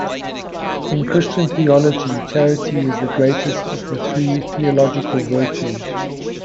In Christian theology charity is the greatest of the three theological virtues.